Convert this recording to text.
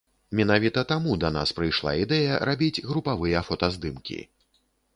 Менавіта таму да нас прыйшла ідэя рабіць групавыя фотаздымкі.